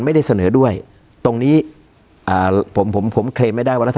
การแสดงความคิดเห็น